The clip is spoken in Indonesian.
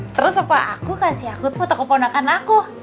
terus papa aku kasih akut foto keponakan aku